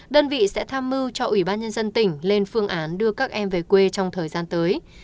đơn vị sẽ tham mưu cho ủy ban nhân dân tỉnh lên phương án đưa các em về quê trong thời gian tới